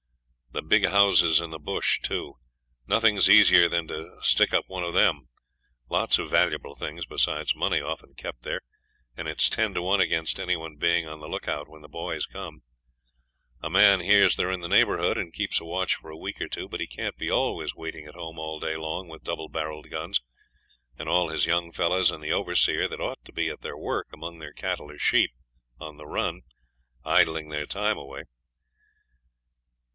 The big houses in the bush, too. Nothing's easier than to stick up one of them lots of valuable things, besides money, often kept there, and it's ten to one against any one being on the look out when the boys come. A man hears they're in the neighbourhood, and keeps a watch for a week or two. But he can't be always waiting at home all day long with double barrelled guns, and all his young fellows and the overseer that ought to be at their work among their cattle or sheep on the run idling their time away.